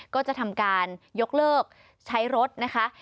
ก็จะทำการยกเลิกใช้รถนะคะ